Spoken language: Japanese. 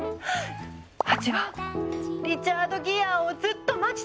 ハチはリチャード・ギアをずっと待ち続けたのに？